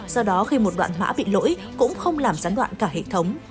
do đó khi một đoạn mã bị lỗi cũng không làm gián đoạn cả hệ thống